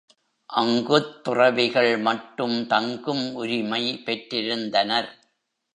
அங்குத் துறவிகள் மட்டும் தங்கும் உரிமை பெற்றிருந்தனர்.